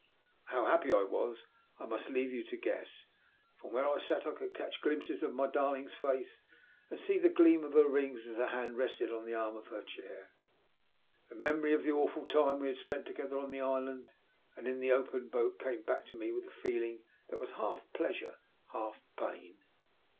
How happy I was I must leave you to guess. From where I sat I could catch a glimpse of my darling's face, and see the gleam of her rings as her hand rested on the arm of her chair. The memory of the awful time we had spent together on the island, and in the open boat, came back to me with a feeling that was half pleasure, half pain.